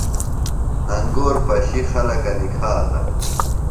انگور پشیۡ خلکہ نِکھاتہ۔